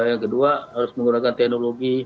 yang kedua harus menggunakan teknologi